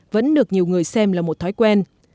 vẫn được nhiều người xem là một thói quen